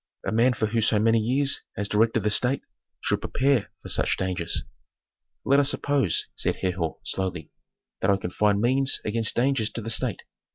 A man who for so many years has directed the state should prepare for such dangers." "Let us suppose," said Herhor, slowly, "that I can find means against dangers to the state.